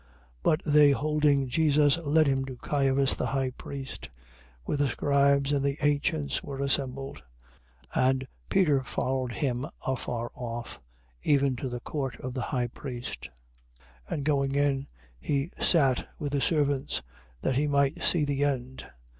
26:57. But they holding Jesus led him to Caiphas the high priest, where the scribes and the ancients were assembled. 26:58. And Peter followed him afar off, even to the court of the high priest, And going in, he sat with the servants, that he might see the end.